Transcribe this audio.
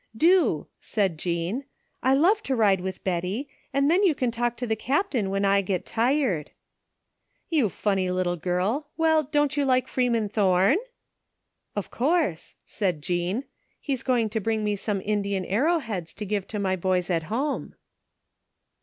" Do," said Jean, " I love to ride with Betty, and then you can talk to the Captain when I get tired." " You funny little girl ! Well, don't you like Free man Thome?" "Of cotu se," said Jean. " He's going to bring me some Indian arrow heads to give to my boys at home."